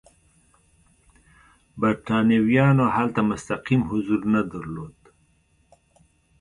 برېټانویانو هلته مستقیم حضور نه درلود.